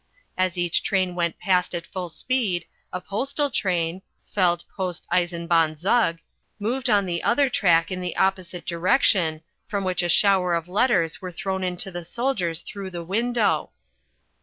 As each train went past at full speed, a postal train (Feld Post Eisenbahn Zug) moved on the other track in the opposite direction, from which a shower of letters were thrown in to the soldiers through the window.